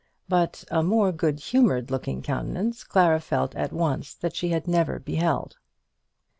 But a more good humoured looking countenance Clara felt at once that she had never beheld.